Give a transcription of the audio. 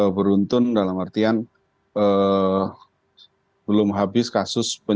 beruntun dalam artian belum habis kasus pencapaian